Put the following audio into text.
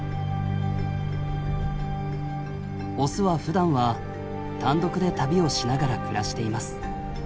オスはふだんは単独で旅をしながら暮らしています。